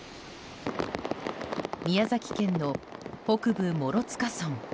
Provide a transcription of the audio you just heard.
宮崎県の北部、諸塚村。